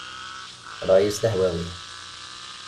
Ṛṛay-is d ahwawi.